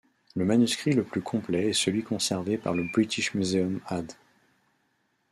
Le manuscrit le plus complet est celui conservé par le British Museum, Add.